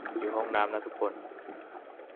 อยู่ห้องน้ำนะทุกคน